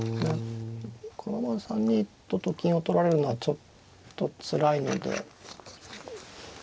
このまま３二とと金を取られるのはちょっとつらいので３三金と。